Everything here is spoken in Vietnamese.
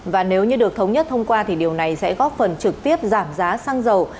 và nếu như được thống nhất thông qua thì điều này sẽ góp phần trực tiếp giảm giá xăng dầu